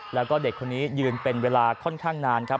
แล้วก็เด็กคนนี้ยืนเป็นเวลาค่อนข้างนานครับ